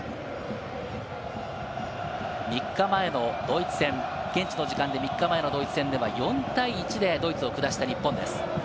３日前のドイツ戦、現地時間で３日前のドイツ戦では、４対１でドイツを下した日本です。